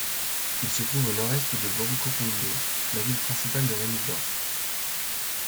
Il se trouve au nord-est de Brokopondo, la ville principale de Reinsdorp.